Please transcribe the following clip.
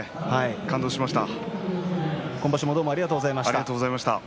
感動しました。